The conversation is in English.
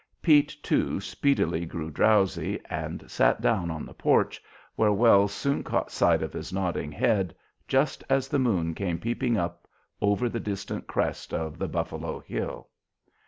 Pete, too, speedily grew drowsy and sat down on the porch, where Wells soon caught sight of his nodding head just as the moon came peeping up over the distant crest of the "Buffalo Hill."